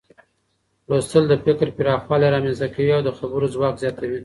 لوستل د فکر پراخوالی رامنځته کوي او د خبرو ځواک زیاتوي.